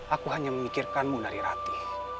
aku hanya memikirkanmu dari rati